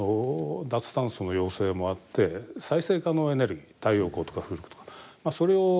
脱炭素の要請もあって再生可能エネルギー太陽光とか風力とかそれを増やそうとしてきました。